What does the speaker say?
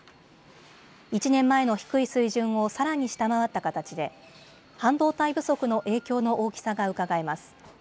１年前の低い水準をさらに下回った形で半導体不足の影響の大きさがうかがえます。